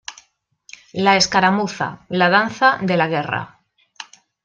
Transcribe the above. La escaramuza: La danza de la guerra.